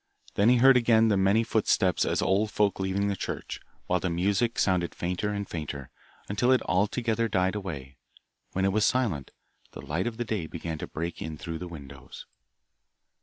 Then he heard again the many footsteps as ol' folk leaving the church, while the music sounded fainter and fainter, until it altogether died away. When it was silent, the light of day began to break in through the windows.